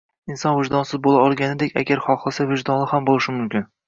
Inson vijdonsiz bo'la olganideq agar xohlasa vijdonli ham bo'lishi mumkin.